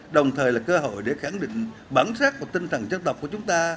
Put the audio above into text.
đồng thời là cơ hội để khẳng định bản sắc của tinh thần chất tộc của chúng ta